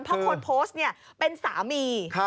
เพราะคนโพสต์เป็นสามี